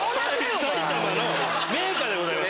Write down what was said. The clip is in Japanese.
埼玉の銘菓でございます。